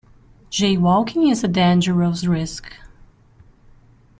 Jaywalking is a dangerous risk.